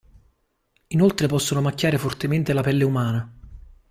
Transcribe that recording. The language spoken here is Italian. Inoltre possono macchiare fortemente la pelle umana.